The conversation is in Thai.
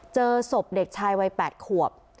เจอศพเด็กชายวัย๘ขวบ